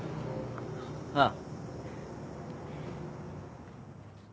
ああ。